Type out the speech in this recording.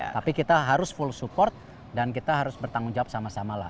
tapi kita harus full support dan kita harus bertanggung jawab sama sama lah